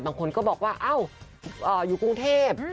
บางคนก็บอกว่าเอ้าอยู่กรุงเทพ